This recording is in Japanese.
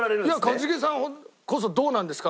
「一茂さんこそどうなんですか？」